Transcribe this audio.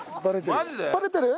バレてる？